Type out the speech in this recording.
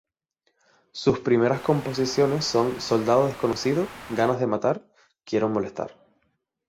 Sus primeras composiciones son "Soldado Desconocido", "Ganas de matar", "Quiero Molestar".